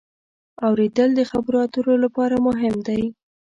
اورېدل د خبرو اترو لپاره مهم دی.